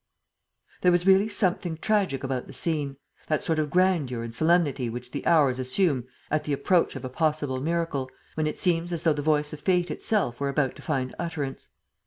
There was really something tragic about the scene, that sort of grandeur and solemnity which the hours assume at the approach of a possible miracle, when it seems as though the voice of fate itself were about to find utterance.